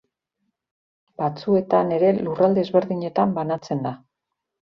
Batzuetan ere lurralde ezberdinetan banatzen da.